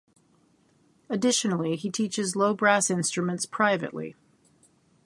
Additionally, he teaches low brass instruments privately.